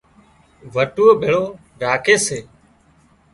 وٽُوئو ڀيۯو راکي سي